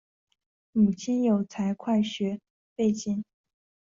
母亲有财会学背景。